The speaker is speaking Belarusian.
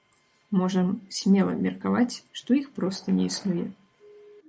Можам смела меркаваць, што іх проста не існуе.